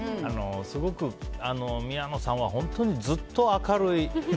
すごく宮野さんは本当にずっと明るい。